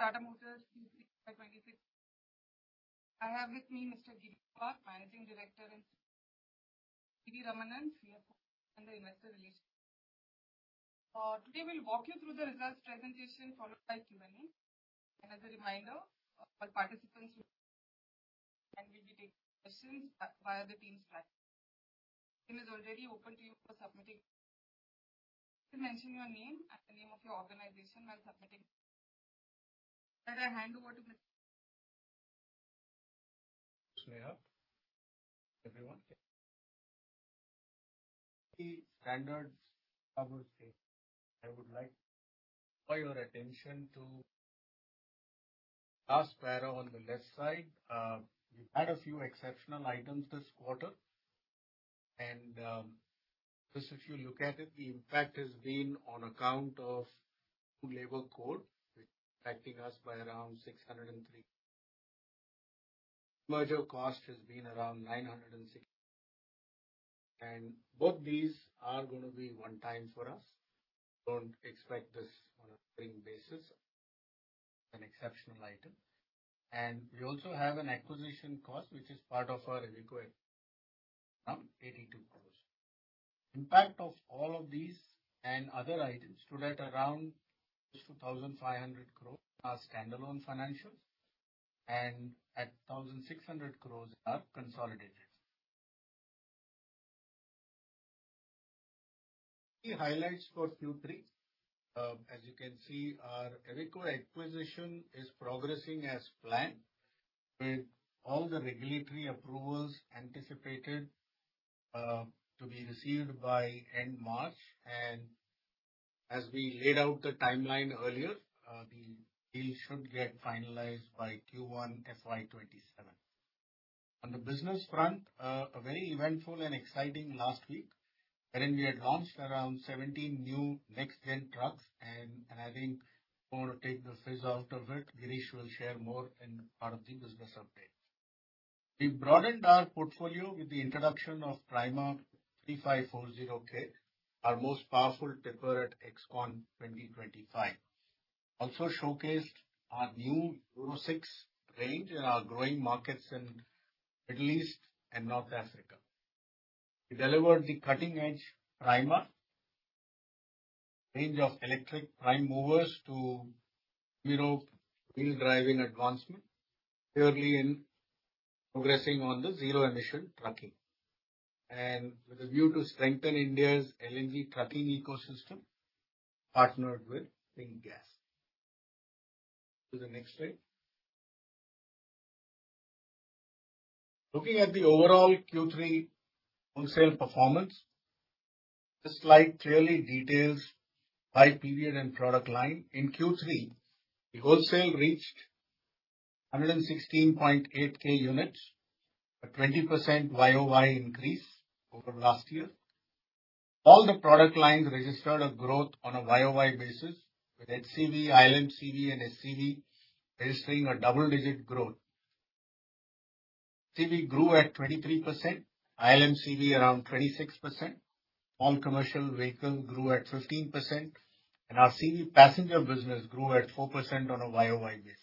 Welcome to Tata Motors Q3 FY 2026. I have with me Mr. Girish Wagh, Managing Director, and GV Ramanan, CFO and the Investor Relations. Today, we'll walk you through the results presentation, followed by Q&A. As a reminder, our participants, and we will take questions via the Teams platform. It is already open to you for submitting. Please mention your name and the name of your organization while submitting. I hand over to Mr. Good morning, everyone. The standard I would say, I would like your attention to last paragraph on the left side. We've had a few exceptional items this quarter, and, just if you look at it, the impact has been on account of new labor code, which is impacting us by around 603 crore. Merger cost has been around 960 crore, and both these are gonna be one-time for us. Don't expect this on a recurring basis, an exceptional item. And we also have an acquisition cost, which is part of our Iveco, around 82 crore. Impact of all of these and other items stood at around 2,500 crore, our standalone financials, and at 1,600 crore are consolidated. Key highlights for Q3. As you can see, our Iveco acquisition is progressing as planned, with all the regulatory approvals anticipated to be received by end March, and as we laid out the timeline earlier, the deal should get finalized by Q1 FY 2027. On the business front, a very eventful and exciting last week, wherein we had launched around 17 new next-gen trucks, and I think in order to flesh it out, Girish will share more in part of the business update. We've broadened our portfolio with the introduction of Prima 3540.K, our most powerful debut at EXCON 2025. Also showcased our new Euro-VI range in our growing markets in Middle East and North Africa. We delivered the cutting edge Prima range of electric prime movers to, you know, leading the way in driving advancement, clearly progressing on the zero-emission trucking. With a view to strengthen India's LNG trucking ecosystem, partnered with Linde. Go to the next slide. Looking at the overall Q3 wholesale performance, this slide clearly details by period and product line. In Q3, the wholesale reached 116.8K units, a 20% YOY increase over last year. All the product lines registered a growth on a YOY basis, with HCV, I&LCV and SCV registering a double-digit growth. CV grew at 23%, I&LCV around 26%, all commercial vehicle grew at 15%, and our CV passenger business grew at 4% on a YOY basis.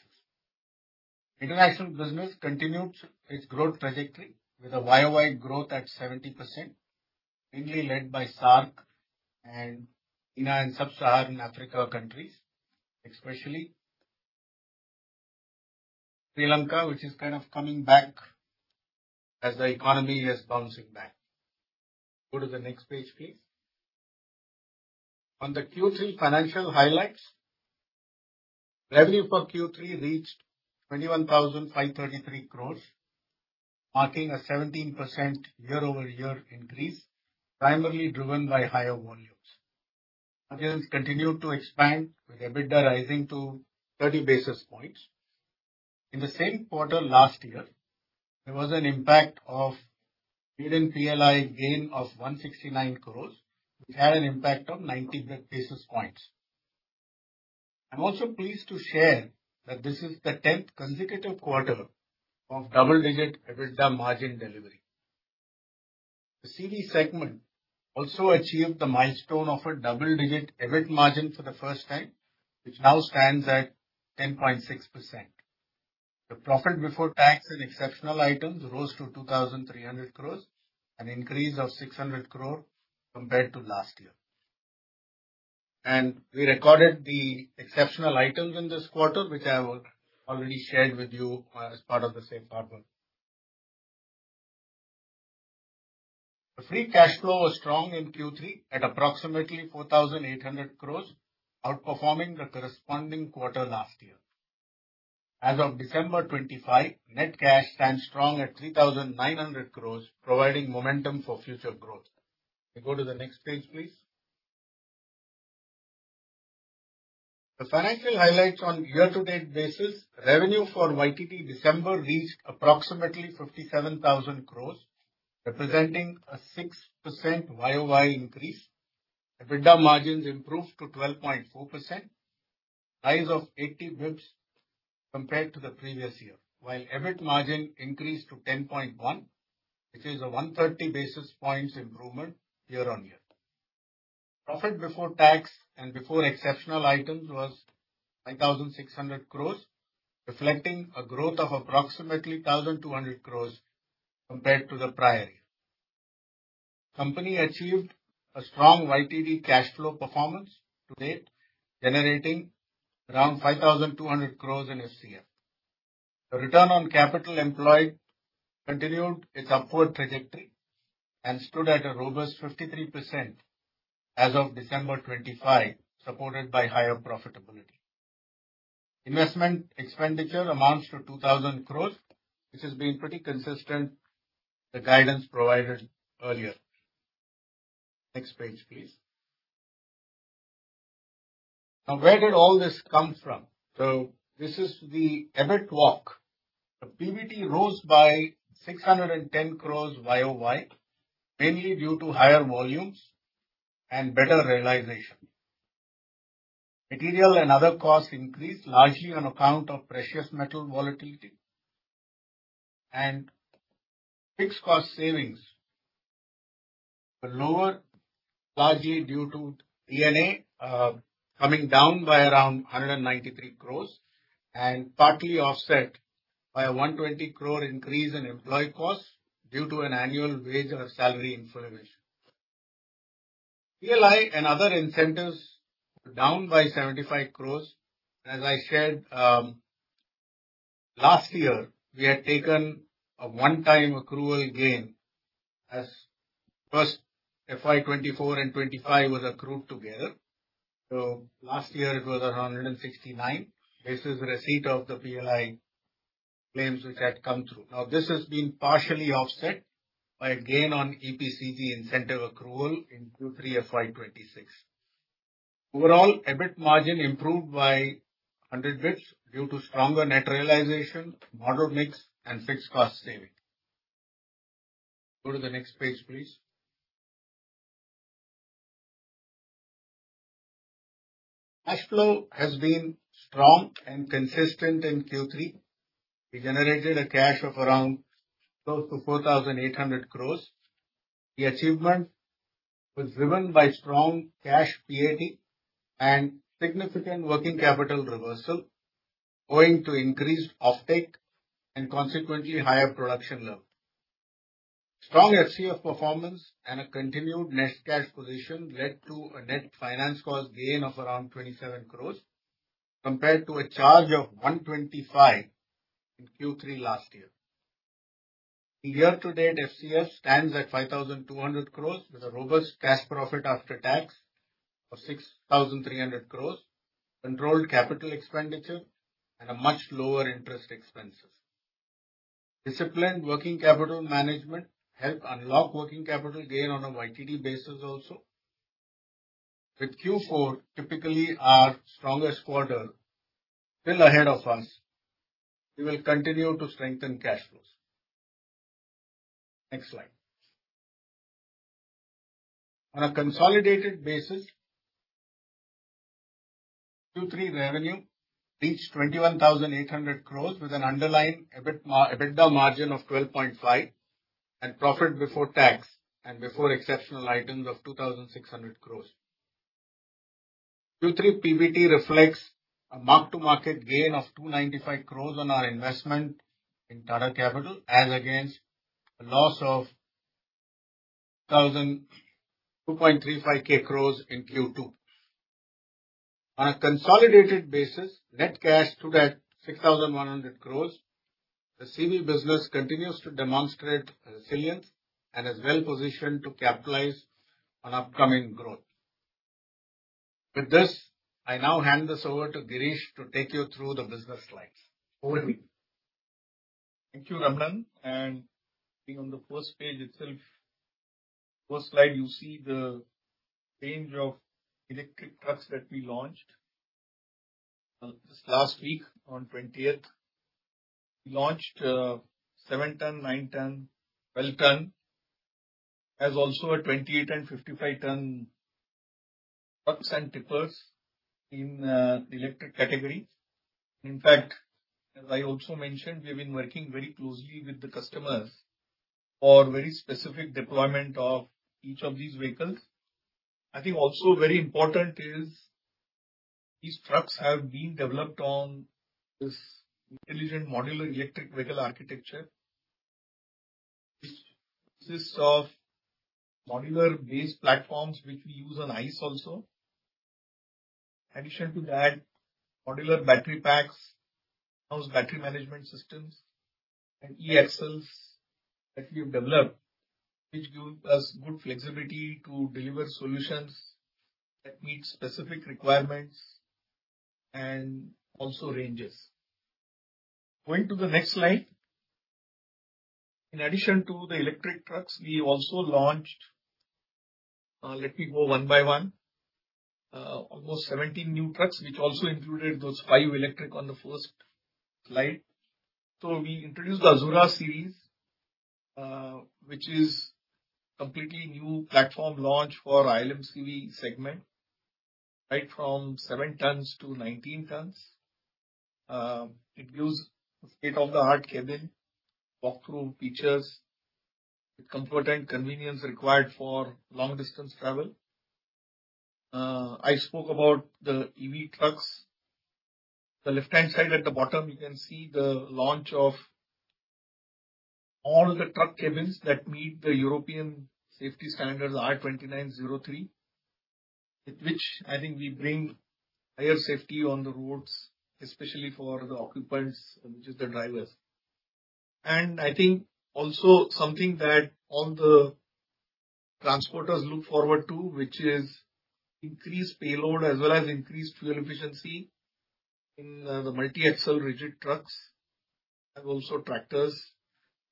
International business continued its growth trajectory with a YOY growth at 70%, mainly led by SAARC and in sub-Saharan Africa countries, especially Sri Lanka, which is kind of coming back as the economy is bouncing back. Go to the next page, please. On the Q3 financial highlights, revenue for Q3 reached 21,533 crore, marking a 17% year-over-year increase, primarily driven by higher volumes. Margins continued to expand, with EBITDA rising to 30 basis points. In the same quarter last year, there was an impact of held PLI gain of 169 crore, which had an impact of 90 basis points. I'm also pleased to share that this is the 10th consecutive quarter of double-digit EBITDA margin delivery. The CV segment also achieved the milestone of a double-digit EBIT margin for the first time, which now stands at 10.6%. The profit before tax and exceptional items rose to 2,300 crore, an increase of 600 crore compared to last year. We recorded the exceptional items in this quarter, which I already shared with you, as part of the same PowerPoint. The free cash flow was strong in Q3 at approximately 4,800 crore, outperforming the corresponding quarter last year. As of December 25, net cash stands strong at 3,900 crore, providing momentum for future growth. We go to the next page, please. The financial highlights on year-to-date basis. Revenue for YTD December reached approximately 57,000 crore, representing a 6% YOY increase. EBITDA margins improved to 12.4%, rise of eighty basis points compared to the previous year, while EBIT margin increased to 10.1%, which is a 130 basis points improvement year-on-year. Profit before tax and before exceptional items was 9,600 crore, reflecting a growth of approximately 1,200 crore compared to the prior year. Company achieved a strong YTD cash flow performance to date, generating around 5,200 crore in FCF. The return on capital employed continued its upward trajectory and stood at a robust 53% as of December 25, supported by higher profitability. Investment expenditure amounts to 2,000 crore, which has been pretty consistent, the guidance provided earlier. Next page, please. Now, where did all this come from? So this is the EBIT walk. The PBT rose by 610 crore YOY, mainly due to higher volumes and better realization. Material and other costs increased largely on account of precious metal volatility. And fixed cost savings were lower, largely due to D&A coming down by around 193 crore, and partly offset by a 120 crore increase in employee costs due to an annual wage or a salary inflation. PLI and other incentives were down by 75 crore. As I said, last year, we had taken a one-time accrual gain as first FY 2024 and 2025 were accrued together. So last year it was around 169 crore. This is the receipt of the PLI claims which had come through. Now, this has been partially offset by a gain on EPCG incentive accrual in Q3 FY 2026. Overall, EBIT margin improved by 100 basis points due to stronger net realization, model mix, and fixed cost savings. Go to the next page, please. Cash flow has been strong and consistent in Q3. We generated a cash of around close to 4,800 crore. The achievement was driven by strong cash PAT and significant working capital reversal, owing to increased offtake and consequently higher production levels. Strong FCF performance and a continued net cash position led to a net finance cost gain of around 27 crore, compared to a charge of 125 crore in Q3 last year. Year to date, FCF stands at 5,200 crore, with a robust cash profit after tax of 6,300 crore, controlled capital expenditure, and a much lower interest expenses. Disciplined working capital management help unlock working capital gain on a YTD basis also. With Q4 typically our strongest quarter still ahead of us, we will continue to strengthen cash flows. Next slide. On a consolidated basis, Q3 revenue reached 21,800 crore with an underlying EBITDA margin of 12.5, and profit before tax and before exceptional items of 2,600 crore. Q3 PBT reflects a mark-to-market gain of 295 crores on our investment in Tata Capital, as against a loss of 1,002.35 crores in Q2. On a consolidated basis, net cash stood at 6,100 crores. The CV business continues to demonstrate resilience and is well positioned to capitalize on upcoming growth. With this, I now hand this over to Girish to take you through the business slides. Over to you. Thank you, Raman. Being on the first page itself, first slide, you see the range of electric trucks that we launched this last week on the 20th. We launched 7-ton, 9-ton, 12-ton, as also a 28- and 55-ton trucks and tippers in the electric category. In fact, as I also mentioned, we've been working very closely with the customers for very specific deployment of each of these vehicles. I think also very important is, these trucks have been developed on this intelligent modular electric vehicle architecture. This consists of modular base platforms, which we use on ICE also. In addition to that, modular battery packs house battery management systems, and e-axles that we've developed, which give us good flexibility to deliver solutions that meet specific requirements and also ranges. Going to the next slide. In addition to the electric trucks, we also launched... Let me go one by one. Almost 17 new trucks, which also included those 5 electric on the first slide. So we introduced the Azura series, which is completely new platform launch for ILMCV segment, right from 7 tons to 19 tons. It gives state-of-the-art cabin, walk-through features, with comfort and convenience required for long distance travel. I spoke about the EV trucks. The left-hand side at the bottom, you can see the launch of all the truck cabins that meet the European safety standards, ECE R29-03, with which I think we bring higher safety on the roads, especially for the occupants, which is the drivers. I think also something that all the transporters look forward to, which is increased payload, as well as increased fuel efficiency in the multi-axle rigid trucks and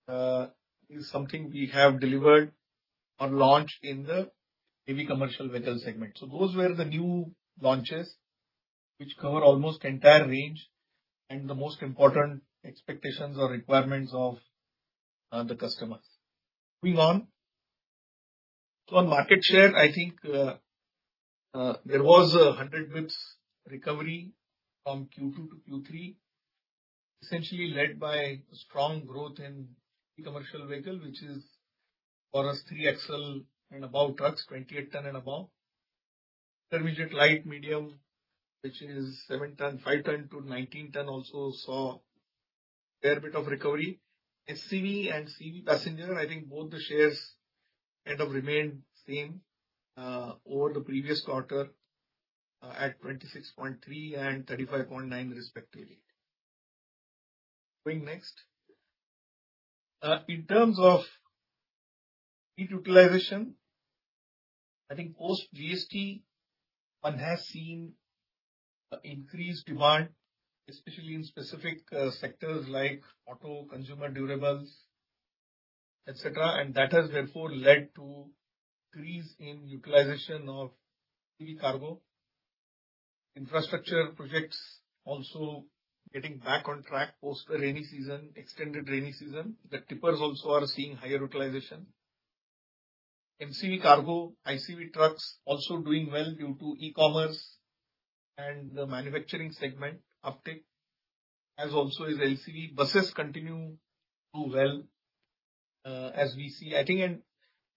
also tractors, is something we have delivered or launched in the heavy commercial vehicle segment. Those were the new launches, which cover almost the entire range and the most important expectations or requirements of the customers. Moving on. On market share, I think, there was a 100 basis points recovery from Q2 to Q3, essentially led by strong growth in the commercial vehicle, which is for us, three-axle and above trucks, 28-ton and above. Intermediate, light, medium, which is 7-ton, 5-ton to 19-ton, also saw a fair bit of recovery. HCV and CV passenger, I think both the shares kind of remained same over the previous quarter at 26.3 and 35.9, respectively. Going next. In terms of fleet utilization, I think post GST, one has seen an increased demand, especially in specific sectors like auto, consumer durables, et cetera, and that has therefore led to increase in utilization of heavy cargo. Infrastructure projects also getting back on track post the rainy season, extended rainy season. The tippers also are seeing higher utilization. MCV cargo, ICV trucks also doing well due to e-commerce and the manufacturing segment uptick, as also is LCV. Buses continue to do well, as we see. I think, and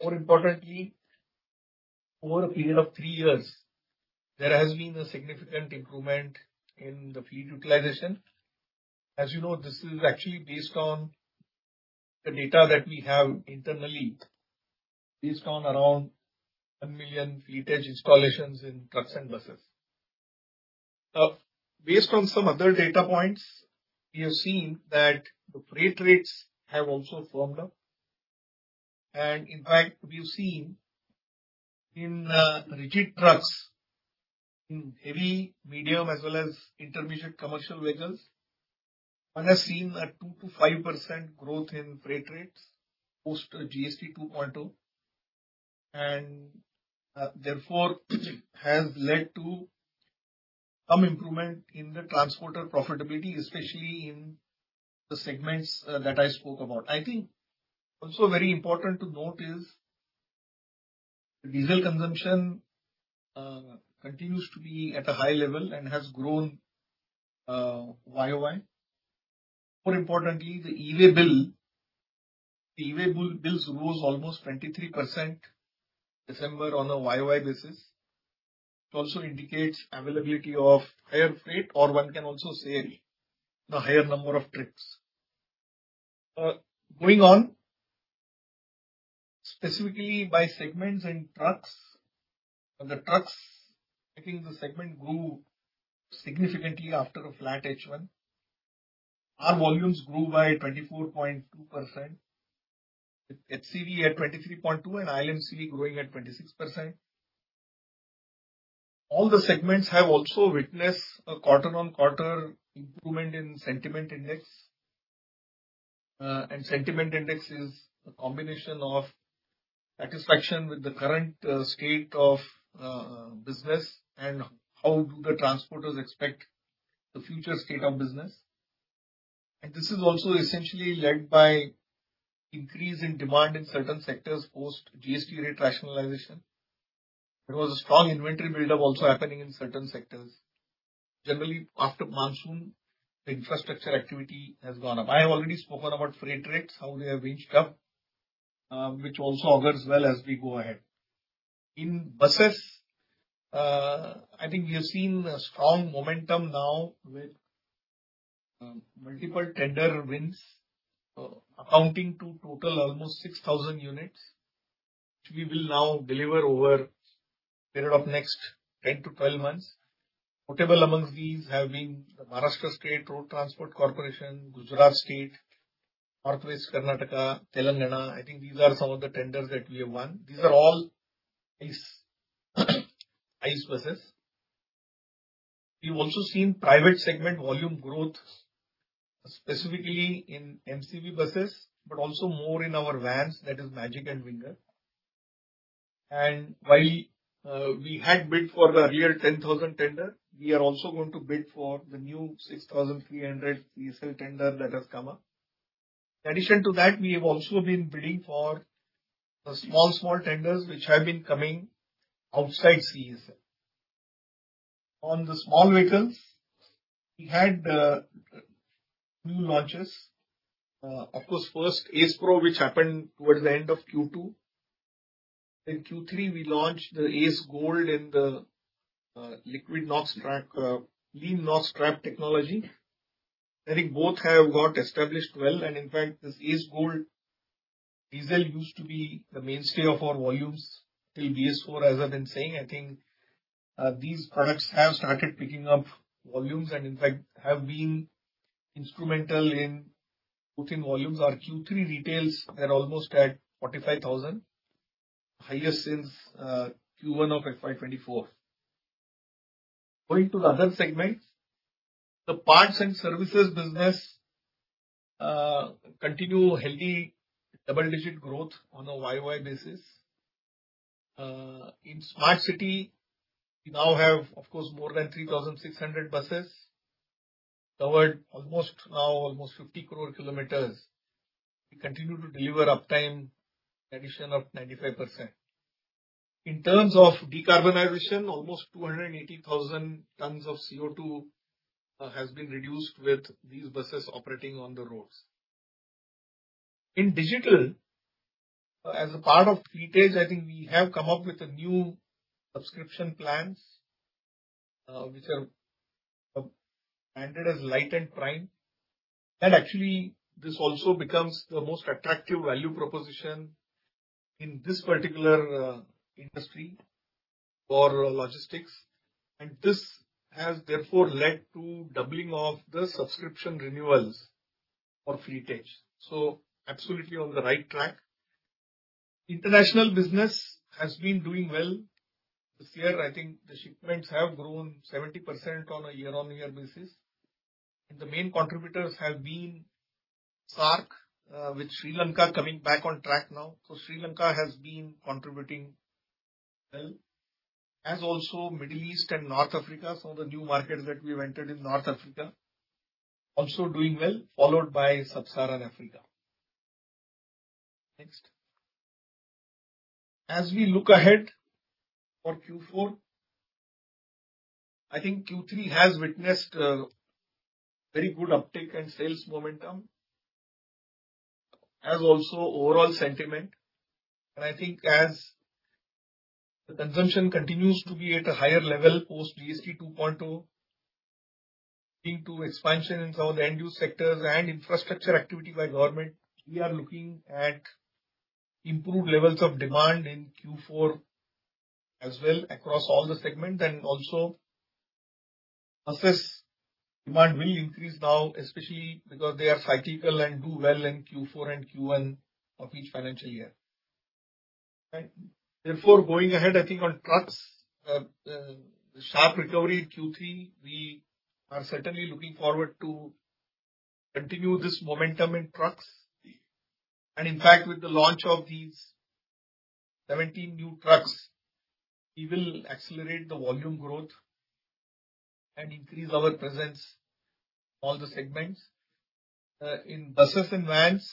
more importantly, over a period of three years, there has been a significant improvement in the fleet utilization. As you know, this is actually based on the data that we have internally, based on around 1 million Fleet Edge installations in trucks and buses. Now, based on some other data points, we have seen that the freight rates have also firmed up. In fact, we've seen in rigid trucks, in heavy, medium, as well as intermediate commercial vehicles, one has seen a 2%-5% growth in freight rates post GST 2.0, and therefore, has led to some improvement in the transporter profitability, especially in the segments that I spoke about. I think also very important to note is, the diesel consumption continues to be at a high level and has grown year-over-year. More importantly, the EV bill, the EV bill, bills rose almost 23% December on a year-over-year basis. It also indicates availability of higher freight, or one can also say, the higher number of trips going on. Specifically by segments and trucks. On the trucks, I think the segment grew significantly after a flat H1. Our volumes grew by 24.2%, with HCV at 23.2 and ILMCV growing at 26%. All the segments have also witnessed a quarter-on-quarter improvement in sentiment index. And sentiment index is a combination of satisfaction with the current state of business, and how do the transporters expect the future state of business. This is also essentially led by increase in demand in certain sectors, post GST rate rationalization. There was a strong inventory buildup also happening in certain sectors. Generally, after monsoon, the infrastructure activity has gone up. I have already spoken about freight rates, how they have inched up, which also augurs well as we go ahead. In buses, I think we have seen a strong momentum now with multiple tender wins, accounting to total almost 6,000 units, which we will now deliver over a period of next 10-12 months. Notable amongst these have been the Maharashtra State Road Transport Corporation, Gujarat State, Northwest Karnataka, Telangana. I think these are some of the tenders that we have won. These are all these Ace e- buses. We've also seen private segment volume growth, specifically in MCV buses, but also more in our vans, that is Magic and Winger. And while we had bid for the earlier 10,000 tender, we are also going to bid for the new 6,300 CESL tender that has come up. In addition to that, we have also been bidding for the small, small tenders which have been coming outside CESL. On the small vehicles, we had new launches. Of course, first, Ace Pro, which happened towards the end of Q2. In Q3, we launched the Ace Gold in the Lean NOx Trap, lean NOx trap technology. I think both have got established well, and in fact, this Ace Gold diesel used to be the mainstay of our volumes till BS4. As I've been saying, I think these products have started picking up volumes and, in fact, have been instrumental in boosting volumes. Our Q3 retails are almost at 45,000, highest since Q1 of FY 2024. Going to the other segments, the parts and services business continue healthy double-digit growth on a YY basis. In Smart City, we now have, of course, more than 3,600 buses, covered almost 50 crore kilometers. We continue to deliver uptime addition of 95%. In terms of decarbonization, almost 280,000 tons of CO2 has been reduced with these buses operating on the roads. In digital, as a part of Fleet Edge, I think we have come up with a new subscription plans, which are branded as Lite and Prime. And actually, this also becomes the most attractive value proposition in this particular industry for logistics, and this has, therefore, led to doubling of the subscription renewals for Fleet Edge. So absolutely on the right track. International business has been doing well. This year, I think the shipments have grown 70% on a year-on-year basis, and the main contributors have been SAARC, with Sri Lanka coming back on track now. Sri Lanka has been contributing well, as also Middle East and North Africa. Some of the new markets that we've entered in North Africa also doing well, followed by Sub-Saharan Africa. Next. As we look ahead for Q4, I think Q3 has witnessed very good uptick in sales momentum, as also overall sentiment. I think as the consumption continues to be at a higher level post BS6 Phase 2, into expansion in some of the end-use sectors and infrastructure activity by government, we are looking at improved levels of demand in Q4 as well across all the segments. And also, buses demand will increase now, especially because they are cyclical and do well in Q4 and Q1 of each financial year. And therefore, going ahead, I think on trucks, the sharp recovery in Q3, we are certainly looking forward to continue this momentum in trucks. And in fact, with the launch of these 17 new trucks, we will accelerate the volume growth and increase our presence all the segments. In buses and vans,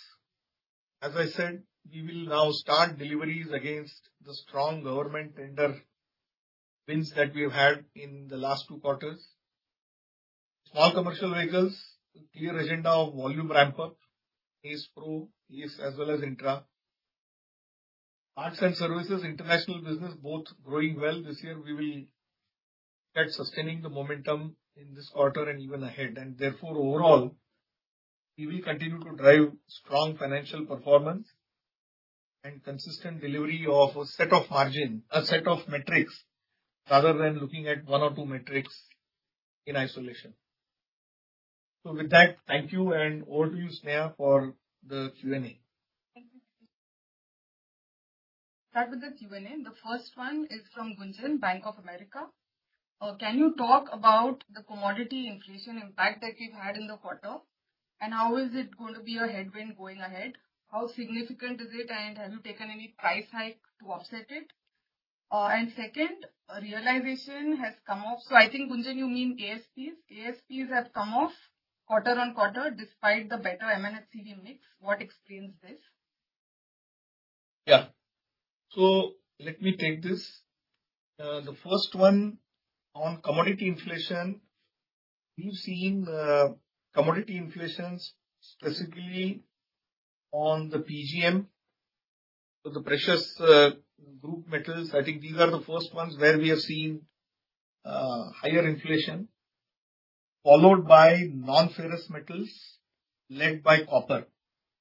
as I said, we will now start deliveries against the strong government tender wins that we've had in the last two quarters. Small commercial vehicles, clear agenda of volume ramp-up, Ace Pro, Ace, as well as Intra. Parts and services, international business, both growing well. This year, we will get sustaining the momentum in this quarter and even ahead. Therefore, overall, we will continue to drive strong financial performance and consistent delivery of a set of margin, a set of metrics, rather than looking at one or two metrics in isolation. With that, thank you, and over to you, Sneha, for the Q&A. Thank you. Start with the Q&A. The first one is from Gunjan, Bank of America. Can you talk about the commodity inflation impact that you've had in the quarter, and how is it going to be a headwind going ahead? How significant is it, and have you taken any price hike to offset it? And second, realization has come off. So I think, Gunjan, you mean ASPs. ASPs have come off quarter on quarter despite the better M&HCV mix. What explains this? Yeah. So let me take this. The first one on commodity inflation, we've seen commodity inflations specifically on the PGM, so the precious group metals. I think these are the first ones where we have seen higher inflation, followed by non-ferrous metals, led by copper.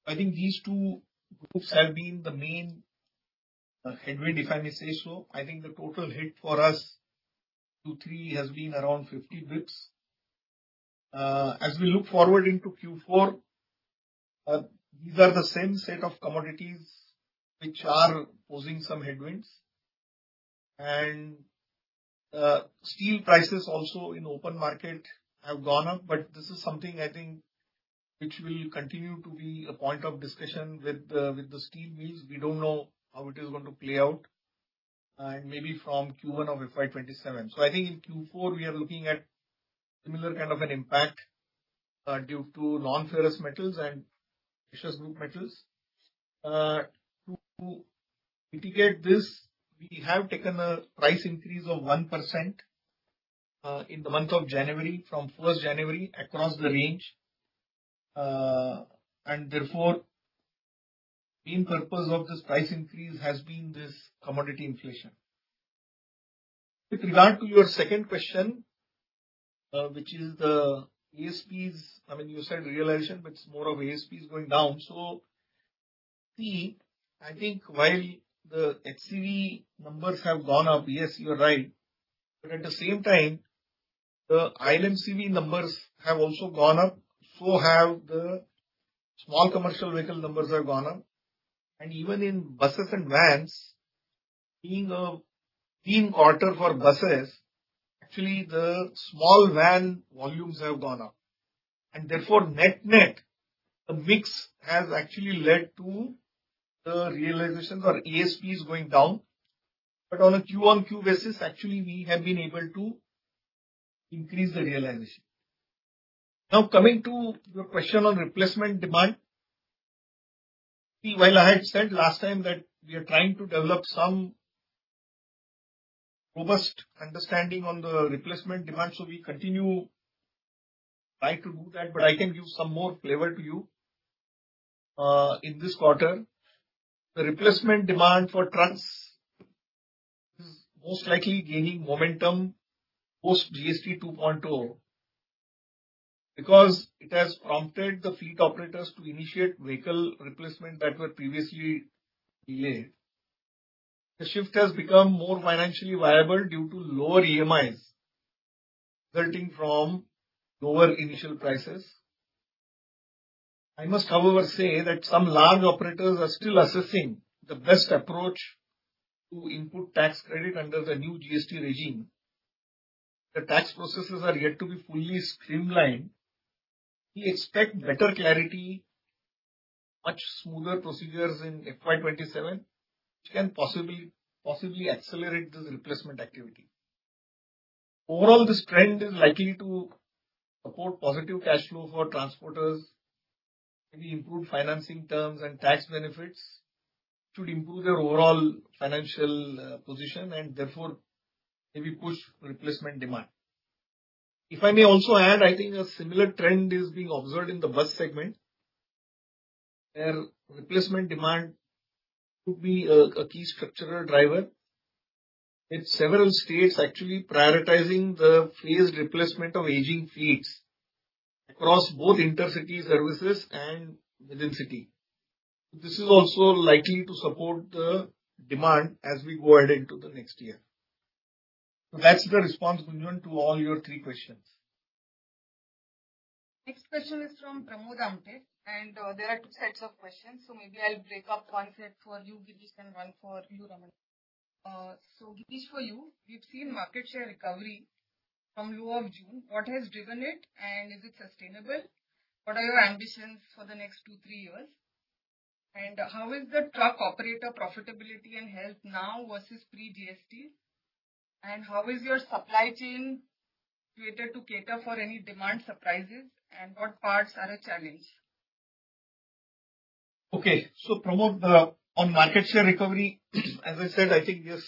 I think these two groups have been the main headwind, if I may say so. I think the total hit for us, 2, 3, has been around 50 basis points. As we look forward into Q4, these are the same set of commodities which are posing some headwinds, and steel prices also in open market have gone up, but this is something I think which will continue to be a point of discussion with the steel mills. We don't know how it is going to play out, maybe from Q1 of FY 2027. So I think in Q4, we are looking at similar kind of an impact due to non-ferrous metals and platinum group metals. To mitigate this, we have taken a price increase of 1% in the month of January, from 1 January, across the range. And therefore, main purpose of this price increase has been this commodity inflation. With regard to your second question, which is the ASPs, I mean, you said realization, but it's more of ASPs going down. So see, I think while the HCV numbers have gone up, yes, you are right, but at the same time, the ILMCV numbers have also gone up, so have the small commercial vehicle numbers have gone up. And even in buses and vans, being a lean quarter for buses, actually the small van volumes have gone up. Therefore, net, net, the mix has actually led to the realizations or ASPs going down. But on a Q1-Q basis, actually, we have been able to increase the realization. Now, coming to your question on replacement demand. See, while I had said last time that we are trying to develop some robust understanding on the replacement demand, so we continue trying to do that, but I can give some more flavor to you. In this quarter, the replacement demand for trucks is most likely gaining momentum post GST 2.0, because it has prompted the fleet operators to initiate vehicle replacement that were previously delayed. The shift has become more financially viable due to lower EMIs, resulting from lower initial prices. I must, however, say that some large operators are still assessing the best approach to input tax credit under the new GST regime. The tax processes are yet to be fully streamlined. We expect better clarity, much smoother procedures in FY 2027, which can possibly, possibly accelerate this replacement activity. Overall, this trend is likely to support positive cash flow for transporters, maybe improve financing terms and tax benefits should improve their overall financial position and therefore maybe push replacement demand. If I may also add, I think a similar trend is being observed in the bus segment, where replacement demand could be a, a key structural driver. In several states, actually prioritizing the phased replacement of aging fleets across both intercity services and within city. This is also likely to support the demand as we go ahead into the next year. So that's the response, Gunjan, to all your three questions. Next question is from Pramod Amte, and there are two sets of questions, so maybe I'll break up one set for you, Girish, and one for you, Raman. So Girish, for you, we've seen market share recovery from low of June. What has driven it, and is it sustainable? What are your ambitions for the next two, three years? And how is the truck operator profitability and health now versus pre-GST? And how is your supply chain created to cater for any demand surprises, and what parts are a challenge? Okay. So Pramod, on market share recovery, as I said, I think this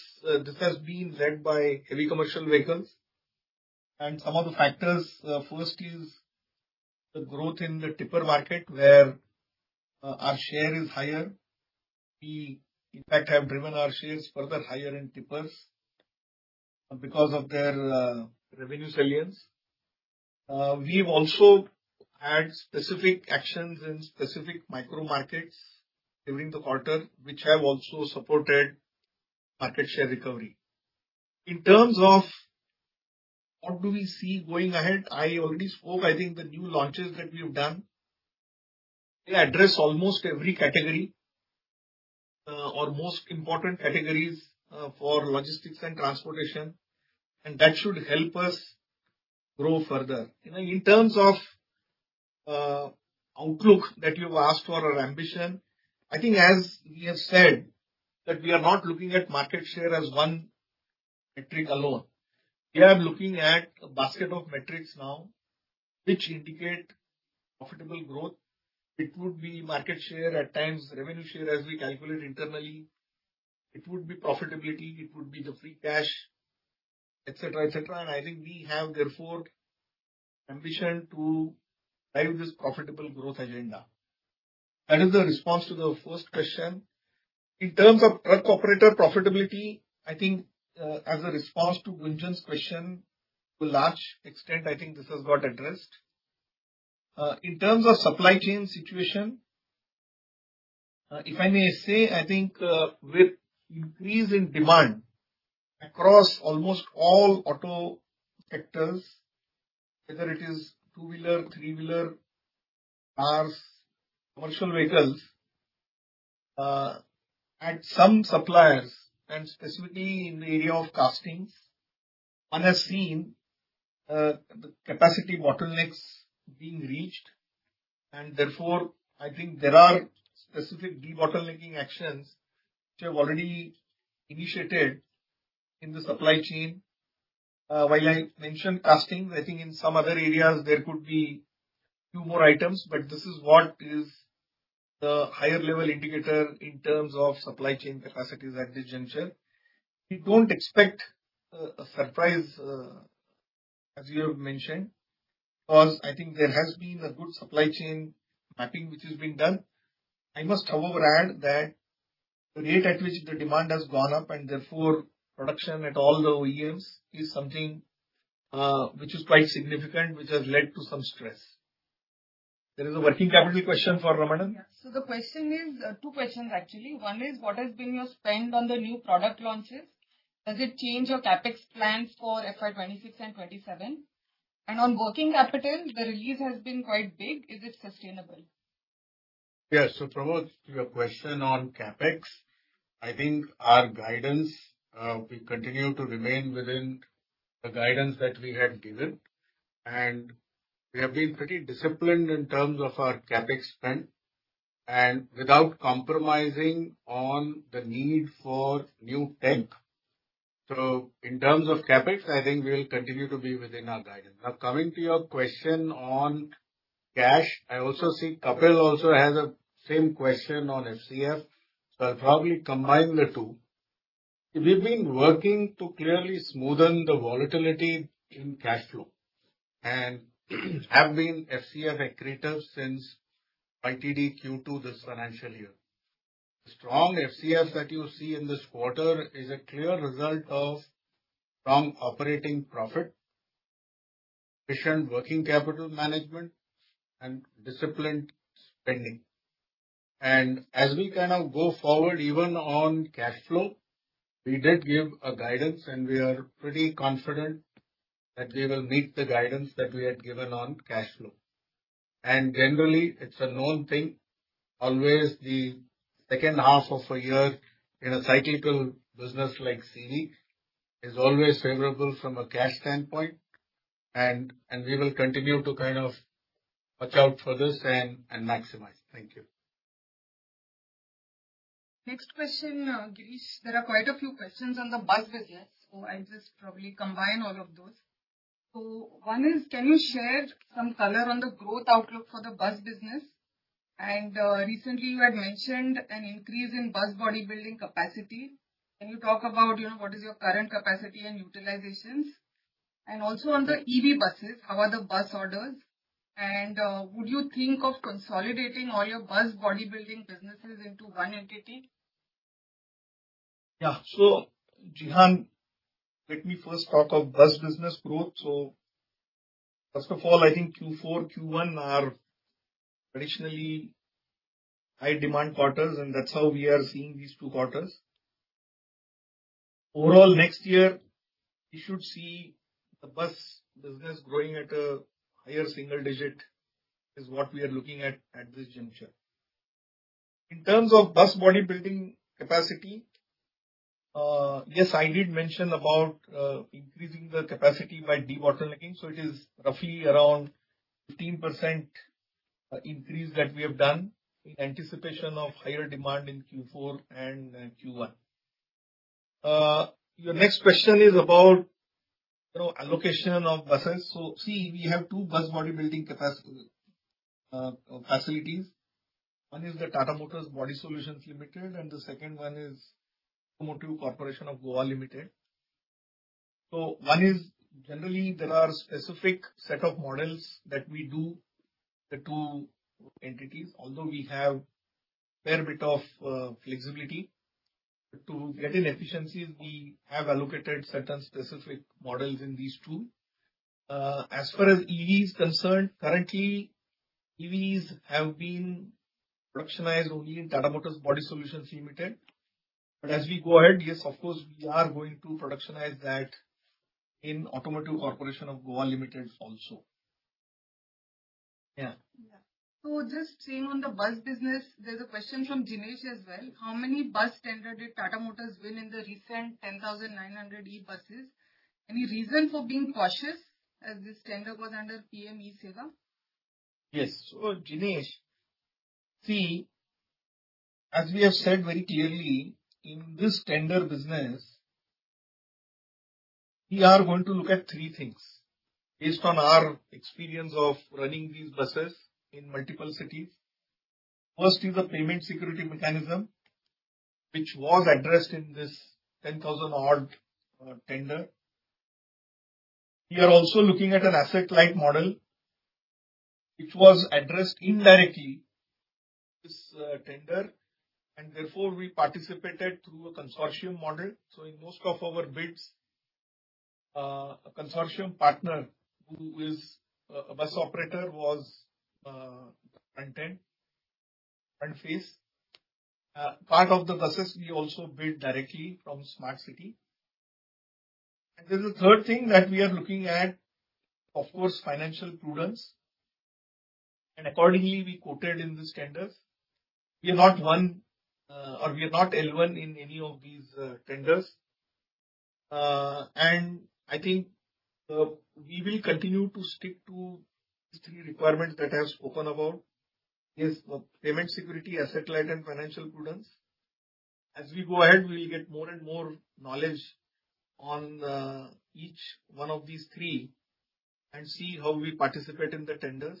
has been led by heavy commercial vehicles. And some of the factors, first is the growth in the tipper market, where our share is higher. We, in fact, have driven our shares further higher in tippers because of their revenue salience. We've also had specific actions in specific micro markets during the quarter, which have also supported market share recovery. In terms of what do we see going ahead, I already spoke. I think the new launches that we have done, they address almost every category, or most important categories, for logistics and transportation, and that should help us grow further. You know, in terms of, outlook that you've asked for, or ambition, I think as we have said, that we are not looking at market share as one metric alone. We are looking at a basket of metrics now which indicate profitable growth. It would be market share, at times, revenue share, as we calculate internally. It would be profitability, it would be the free cash, et cetera, et cetera. And I think we have, therefore, ambition to drive this profitable growth agenda. That is the response to the first question. In terms of truck operator profitability, I think, as a response to Gunjan's question, to a large extent, I think this has got addressed. In terms of supply chain situation, if I may say, I think, with increase in demand across almost all auto sectors, whether it is two-wheeler, three-wheeler, cars, commercial vehicles-... At some suppliers, and specifically in the area of castings, one has seen the capacity bottlenecks being reached, and therefore, I think there are specific debottlenecking actions which have already initiated in the supply chain. While I mentioned casting, I think in some other areas there could be two more items, but this is what is the higher level indicator in terms of supply chain capacities at this juncture. We don't expect a surprise, as you have mentioned, because I think there has been a good supply chain mapping which has been done. I must, however, add that the rate at which the demand has gone up, and therefore, production at all the OEMs is something which is quite significant, which has led to some stress. There is a working capital question for Ramanan? Yeah. So the question is, two questions actually. One is, what has been your spend on the new product launches? Does it change your CapEx plans for FY 2026 and 2027? And on working capital, the release has been quite big. Is it sustainable? Yes. So, Pramath, to your question on CapEx, I think our guidance, we continue to remain within the guidance that we had given, and we have been pretty disciplined in terms of our CapEx spend and without compromising on the need for new tech. So in terms of CapEx, I think we will continue to be within our guidance. Now, coming to your question on cash, I also see Kapil also has a same question on FCF, so I'll probably combine the two. We've been working to clearly smoothen the volatility in cash flow, and have been FCF accretive since ITD Q2 this financial year. The strong FCF that you see in this quarter is a clear result of strong operating profit, efficient working capital management and disciplined spending. And as we kind of go forward, even on cash flow, we did give a guidance, and we are pretty confident that we will meet the guidance that we had given on cash flow. And generally, it's a known thing, always the second half of a year in a cyclical business like CE, is always favorable from a cash standpoint, and, and we will continue to kind of watch out for this and, and maximize. Thank you. Next question, Girish. There are quite a few questions on the bus business, so I'll just probably combine all of those. So one is, can you share some color on the growth outlook for the bus business? And, recently you had mentioned an increase in bus body building capacity. Can you talk about, you know, what is your current capacity and utilizations? And also on the EV buses, how are the bus orders? And, would you think of consolidating all your bus body building businesses into one entity? Yeah. So, Jinesh, let me first talk of bus business growth. So first of all, I think Q4, Q1 are traditionally high demand quarters, and that's how we are seeing these two quarters. Overall, next year, you should see the bus business growing at a higher single digit, is what we are looking at, at this juncture. In terms of bus body building capacity, yes, I did mention about increasing the capacity by debottlenecking, so it is roughly around 15% increase that we have done in anticipation of higher demand in Q4 and Q1. Your next question is about, you know, allocation of buses. So see, we have two bus body building facilities. One is the Tata Motors Body Solutions Ltd, and the second one is Automotive Corporation of Goa Ltd. So one is, generally, there are specific set of models that we do, the two entities, although we have fair bit of flexibility. To get in efficiencies, we have allocated certain specific models in these two. As far as EV is concerned, currently, EVs have been productionized only in Tata Motors Body Solutions Ltd. But as we go ahead, yes, of course, we are going to productionize that in Automotive Corporation of Goa Ltd also. Yeah. Yeah. So just staying on the bus business, there's a question from Jinesh as well. How many bus tenders did Tata Motors win in the recent 10,900 e-buses? Any reason for being cautious as this tender was under PM-eBus Sewa? Yes. So Jinesh, see, as we have said very clearly, in this tender business, we are going to look at three things based on our experience of running these buses in multiple cities. First is the payment security mechanism, which was addressed in this 10,000-odd tender. We are also looking at an asset-light model, which was addressed indirectly in this tender, and therefore we participated through a consortium model. So in most of our bids, a consortium partner, who is a, a bus operator, was front end, front face. Part of the buses we also bid directly from Smart City. And then the third thing that we are looking at, of course, financial prudence, and accordingly, we quoted in these tenders. We have not won, or we are not L1 in any of these tenders. And I think, we will continue to stick to these three requirements that I have spoken about, is, payment security, asset light, and financial prudence. As we go ahead, we'll get more and more knowledge on, each one of these three and see how we participate in the tenders.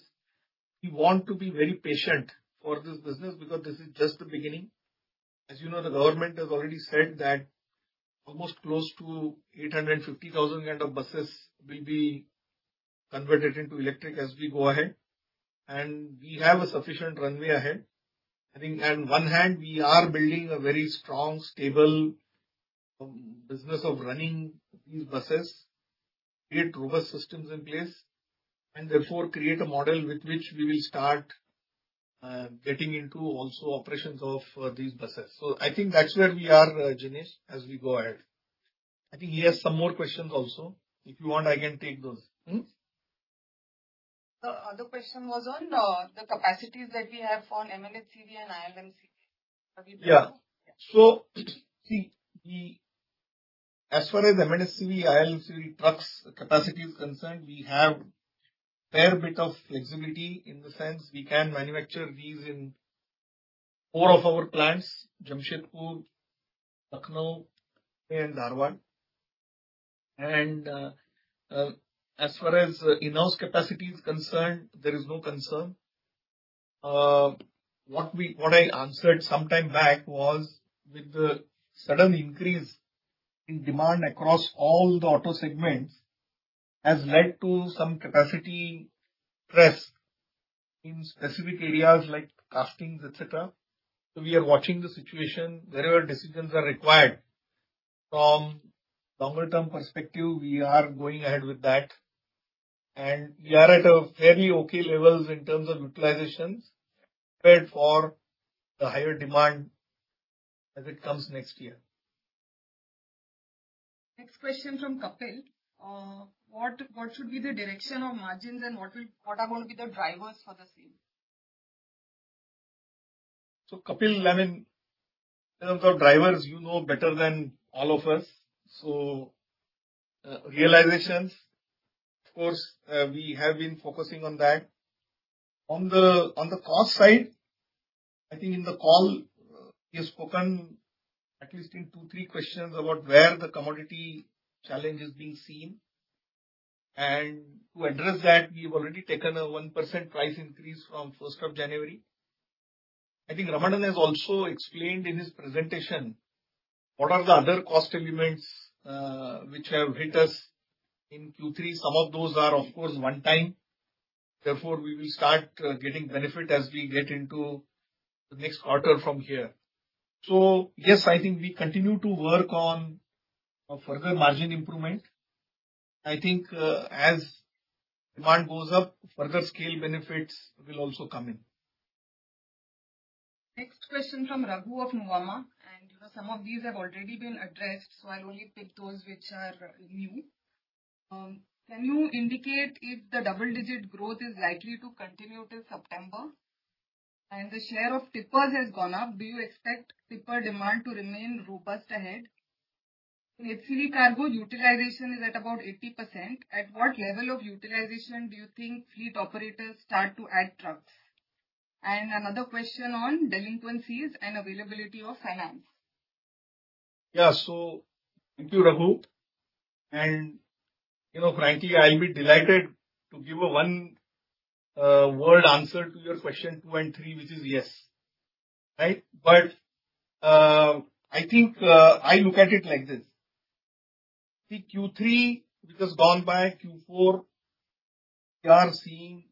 We want to be very patient for this business because this is just the beginning. As you know, the government has already said that almost close to 850,000 kind of buses will be converted into electric as we go ahead, and we have a sufficient runway ahead. I think on one hand, we are building a very strong, stable, business of running these buses, create robust systems in place, and therefore create a model with which we will start, getting into also operations of, these buses. So I think that's where we are, Jinesh, as we go ahead. I think he has some more questions also. If you want, I can take those. The other question was on the capacities that we have for M&HCV and ILMCV. Have you- Yeah. Yeah. So, see, as far as M&HCV, ILMCV trucks capacity is concerned, we have a fair bit of flexibility in the sense we can manufacture these in all of our plants, Jamshedpur, Lucknow and Dharwad. As far as in-house capacity is concerned, there is no concern. What I answered some time back was with the sudden increase in demand across all the auto segments, has led to some capacity pressure in specific areas like castings, et cetera. So we are watching the situation. Wherever decisions are required from longer term perspective, we are going ahead with that, and we are at a very okay levels in terms of utilizations, prepared for the higher demand as it comes next year. Next question from Kapil. What should be the direction of margins, and what are going to be the drivers for the same? So, Kapil, I mean, in terms of drivers, you know better than all of us. So, realizations, of course, we have been focusing on that. On the cost side, I think in the call, we have spoken at least in two, three questions about where the commodity challenge is being seen. And to address that, we've already taken a 1% price increase from first of January. I think Ramanan has also explained in his presentation what are the other cost elements, which have hit us in Q3. Some of those are, of course, one time, therefore, we will start getting benefit as we get into the next quarter from here. So yes, I think we continue to work on a further margin improvement. I think, as demand goes up, further scale benefits will also come in. Next question from Raghunandhan N.L. of Nuvama, and you know some of these have already been addressed, so I'll only pick those which are new. Can you indicate if the double-digit growth is likely to continue till September? And the share of tippers has gone up. Do you expect tipper demand to remain robust ahead? In HCV cargo, utilization is at about 80%. At what level of utilization do you think fleet operators start to add trucks? And another question on delinquencies and availability of finance. Yeah, so thank you, Raghu. And, you know, frankly, I'll be delighted to give a one word answer to your question two and three, which is yes. Right? But, I think, I look at it like this: the Q3, because gone by Q4, we are seeing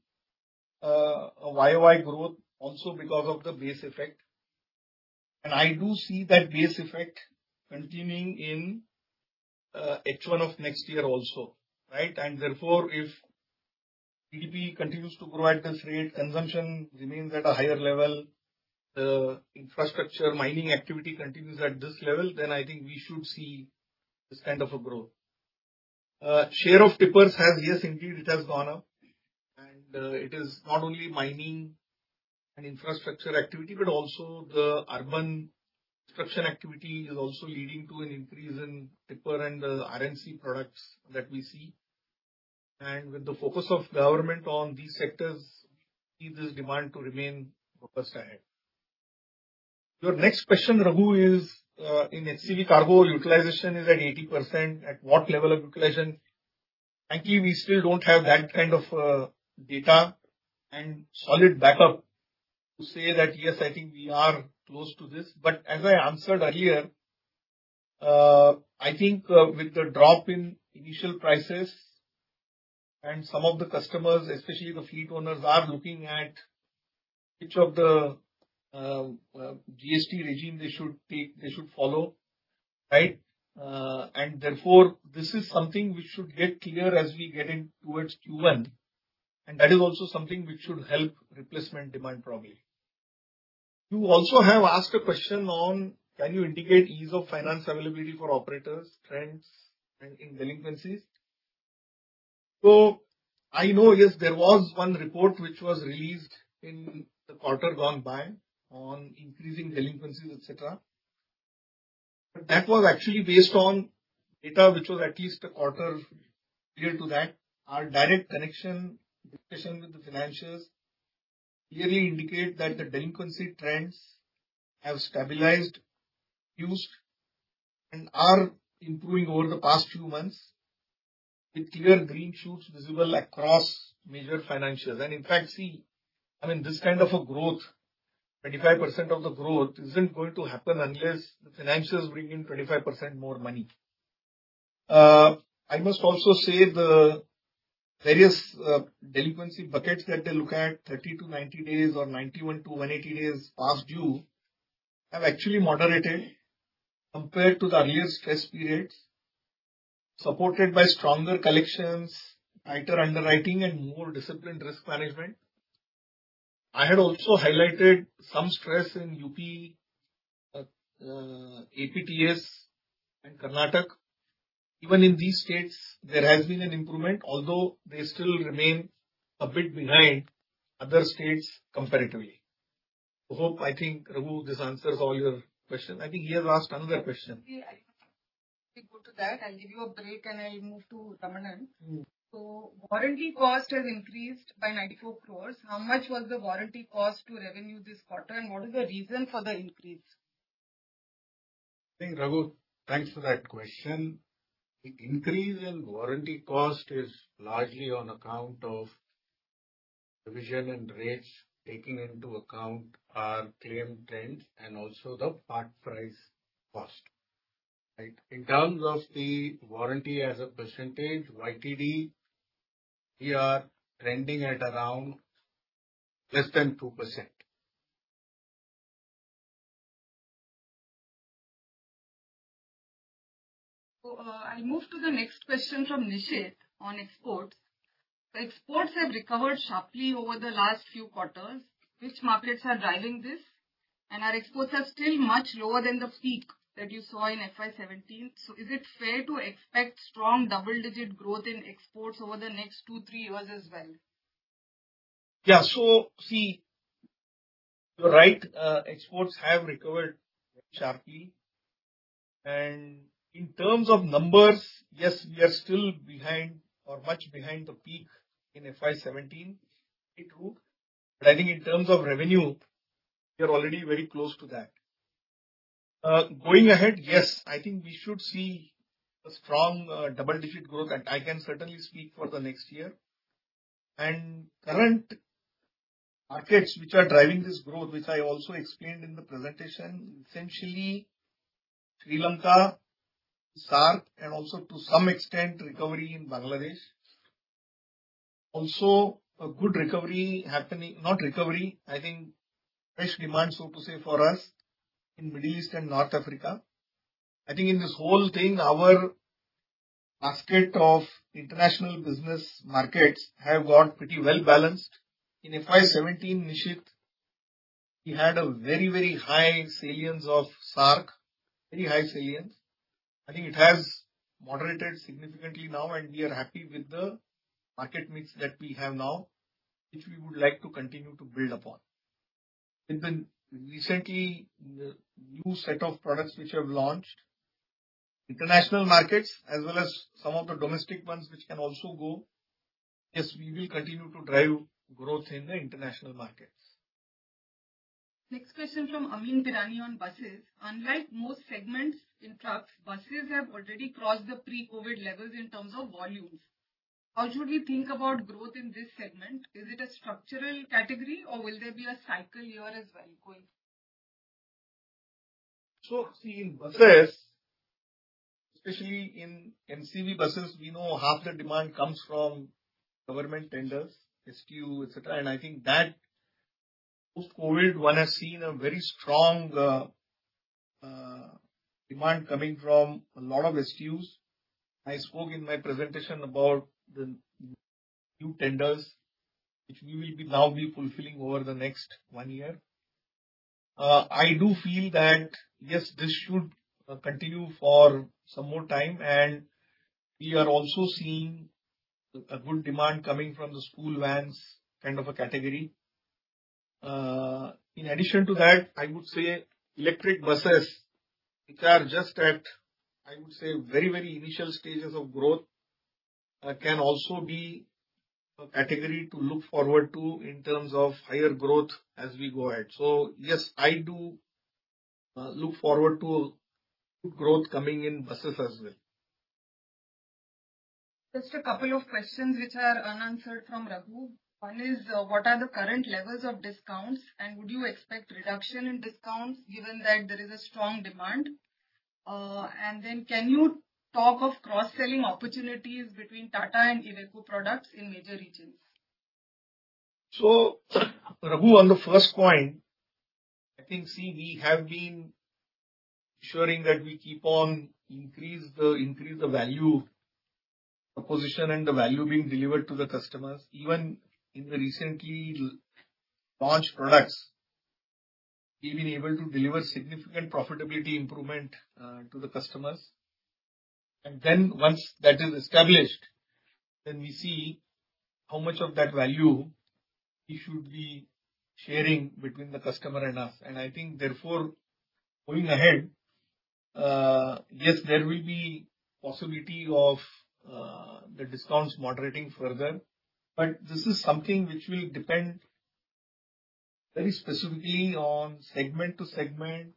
a YOY growth also because of the base effect. And I do see that base effect continuing in H1 of next year also, right? And therefore, if GDP continues to grow at this rate, consumption remains at a higher level, the infrastructure mining activity continues at this level, then I think we should see this kind of a growth. Share of tippers has, yes, indeed, it has gone up. It is not only mining and infrastructure activity, but also the urban construction activity is also leading to an increase in tipper and the RMC products that we see. With the focus of government on these sectors, we see this demand to remain robust ahead. Your next question, Raghu, is, in HCV cargo, utilization is at 80%. At what level of utilization... Frankly, we still don't have that kind of, data and solid backup to say that, yes, I think we are close to this. But as I answered earlier, I think, with the drop in initial prices and some of the customers, especially the fleet owners, are looking at which of the, GST regime they should take, they should follow, right? and therefore, this is something which should get clear as we get in towards Q1, and that is also something which should help replacement demand probably.... You also have asked a question on: Can you indicate ease of finance availability for operators, trends, and in delinquencies? So I know, yes, there was one report which was released in the quarter gone by on increasing delinquencies, et cetera. But that was actually based on data which was at least a quarter prior to that. Our direct connection, discussion with the financials, clearly indicate that the delinquency trends have stabilized, used, and are improving over the past few months, with clear green shoots visible across major financials. And in fact, see, I mean, this kind of a growth, 25% of the growth, isn't going to happen unless the financials bring in 25% more money. I must also say the various delinquency buckets that they look at, 30-90 days or 91-180 days past due, have actually moderated compared to the earlier stress periods, supported by stronger collections, tighter underwriting and more disciplined risk management. I had also highlighted some stress in UP, AP, TS and Karnataka. Even in these states, there has been an improvement, although they still remain a bit behind other states comparatively. So I think, Raghu, this answers all your questions. I think he has asked another question. We go to that. I'll give you a break, and I'll move to Ramanan. Mm. Warranty cost has increased by 94 crore. How much was the warranty cost to revenue this quarter, and what is the reason for the increase? I think, Raghu, thanks for that question. The increase in warranty cost is largely on account of revision and rates, taking into account our claim trends and also the part price cost. Right? In terms of the warranty as a percentage, YTD, we are trending at around less than 2%. So, I'll move to the next question from Nishit on exports. Exports have recovered sharply over the last few quarters. Which markets are driving this? And our exports are still much lower than the peak that you saw in FY 2017. So is it fair to expect strong double-digit growth in exports over the next two, three years as well? Yeah. So see, you're right, exports have recovered sharply, and in terms of numbers, yes, we are still behind or much behind the peak in FY17. Very true. But I think in terms of revenue, we are already very close to that. Going ahead, yes, I think we should see a strong, double-digit growth, and I can certainly speak for the next year. And current markets which are driving this growth, which I also explained in the presentation, essentially Sri Lanka, SAARC, and also to some extent, recovery in Bangladesh. Also, a good recovery happening... Not recovery, I think fresh demand, so to say, for us in Middle East and North Africa. I think in this whole thing, our basket of international business markets have got pretty well-balanced. In FY17, Nishit, we had a very, very high salience of SAARC, very high salience. I think it has moderated significantly now, and we are happy with the market mix that we have now, which we would like to continue to build upon. With the recently new set of products which have launched, international markets as well as some of the domestic ones, which can also go, yes, we will continue to drive growth in the international markets. Next question from Amyn Pirani on buses. Unlike most segments in trucks, buses have already crossed the pre-COVID levels in terms of volumes. How should we think about growth in this segment? Is it a structural category, or will there be a cycle here as well going? So see, in buses, especially in NCV buses, we know half the demand comes from government tenders, STU, et cetera. And I think that, post-COVID, one has seen a very strong demand coming from a lot of STUs. I spoke in my presentation about the new tenders, which we will be now be fulfilling over the next one year. I do feel that, yes, this should continue for some more time, and we are also seeing a good demand coming from the school vans kind of a category. In addition to that, I would say electric buses, which are just at, I would say, very, very initial stages of growth, can also be a category to look forward to in terms of higher growth as we go ahead. So yes, I do look forward to growth coming in buses as well. Just a couple of questions which are unanswered from Raghu. One is, what are the current levels of discounts, and would you expect reduction in discounts given that there is a strong demand? And then can you talk of cross-selling opportunities between Tata and Iveco products in major regions? So, Raghu, on the first point, I think, see, we have been ensuring that we keep on increasing the value, the position and the value being delivered to the customers, even in the recently launched products, we've been able to deliver significant profitability improvement to the customers. And then once that is established, then we see how much of that value we should be sharing between the customer and us. And I think therefore, going ahead, yes, there will be possibility of the discounts moderating further, but this is something which will depend very specifically on segment to segment,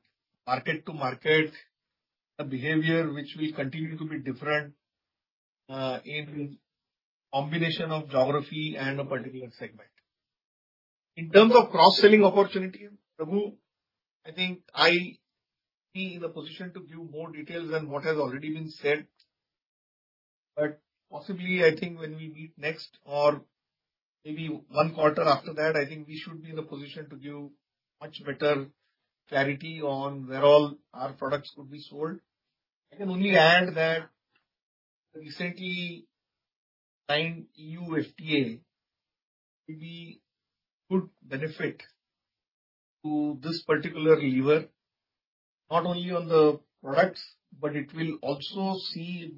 market to market, the behavior which will continue to be different in combination of geography and a particular segment. In terms of cross-selling opportunity, Prabhu, I think I be in the position to give more details than what has already been said, but possibly, I think when we meet next or maybe one quarter after that, I think we should be in the position to give much better clarity on where all our products could be sold. I can only add that recently signed EU FTA will be good benefit to this particular lever, not only on the products, but it will also see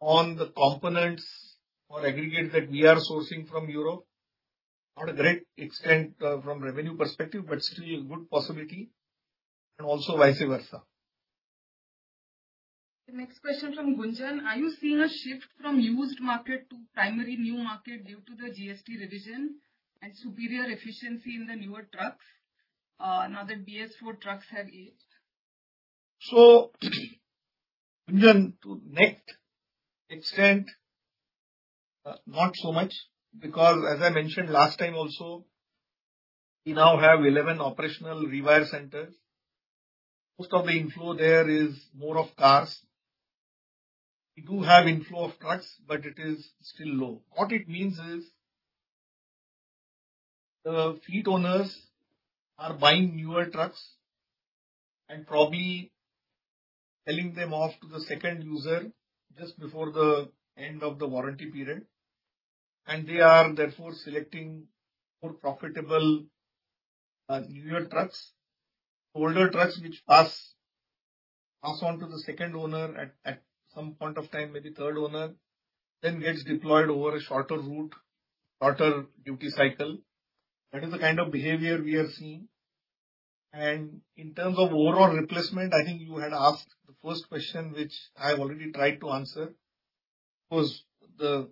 good benefit on the components or aggregate that we are sourcing from Europe. Not a great extent, from revenue perspective, but still a good possibility, and also vice versa. The next question from Gunjan Prithyani: Are you seeing a shift from used market to primary new market due to the GST revision and superior efficiency in the newer trucks, now that BS4 trucks have aged? So, Gunjan, to what extent, not so much, because as I mentioned last time also, we now have 11 operational repair centers. Most of the inflow there is more of cars. We do have inflow of trucks, but it is still low. What it means is, the fleet owners are buying newer trucks and probably selling them off to the second user just before the end of the warranty period, and they are therefore selecting more profitable, newer trucks. Older trucks, which pass on to the second owner at some point of time, maybe third owner, then gets deployed over a shorter route, shorter duty cycle. That is the kind of behavior we are seeing. And in terms of overall replacement, I think you had asked the first question, which I have already tried to answer. Of course, the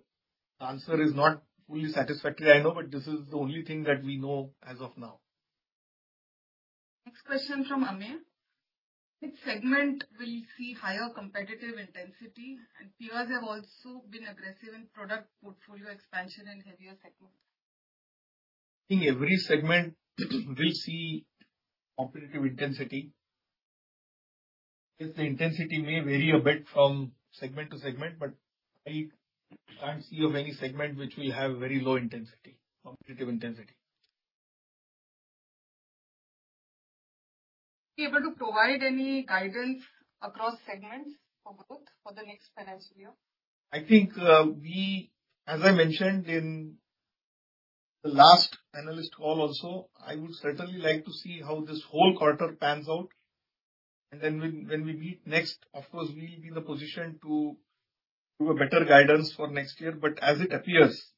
answer is not fully satisfactory, I know, but this is the only thing that we know as of now. Next question from Amyn Pirani: Which segment will see higher competitive intensity? Peers have also been aggressive in product portfolio expansion in heavier segments. I think every segment will see competitive intensity. Yes, the intensity may vary a bit from segment to segment, but I can't think of any segment which will have very low intensity, competitive intensity. Be able to provide any guidance across segments for growth for the next financial year? I think, we, as I mentioned in the last analyst call also, I would certainly like to see how this whole quarter pans out, and then when we meet next, of course, we'll be in the position to give a better guidance for next year. But as it appears,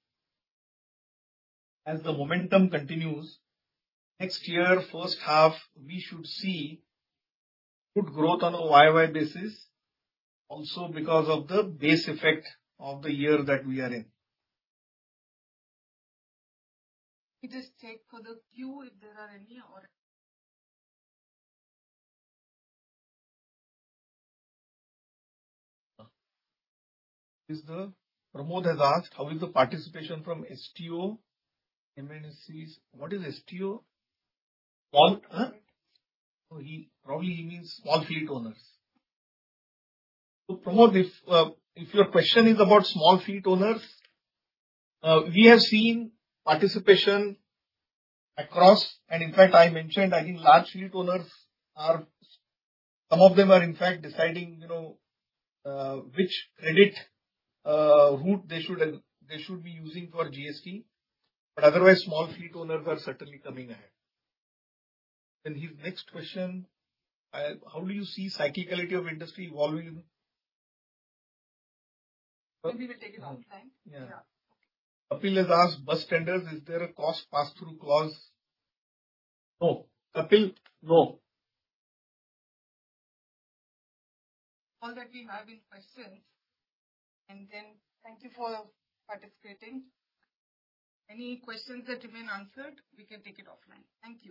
as the momentum continues, next year, first half, we should see good growth on a YY basis, also because of the base effect of the year that we are in. Let me just check for the queue, if there are any more. Is the... Pramod has asked: How is the participation from SFO, MNCs? What is SFO? Small, So he, probably, he means small fleet owners. So, Pramod, if, if your question is about small fleet owners, we have seen participation across... And in fact, I mentioned, I think large fleet owners are, some of them are, in fact, deciding, you know, which credit, route they should they should be using for GST. But otherwise, small fleet owners are certainly coming ahead. Then his next question: How do you see cyclicality of industry evolving? Maybe we take it another time. Yeah. Yeah. Kapil has asked: Bus tenders, is there a cost pass-through clause? No. Kapil, no. All that we have is questions. And then, thank you for participating. Any questions that remain unanswered, we can take it offline. Thank you.